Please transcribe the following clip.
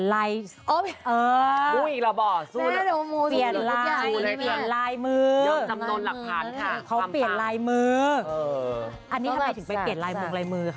อันนี้ทำไมถึงไปเปลี่ยนลายมงลายมือค่ะ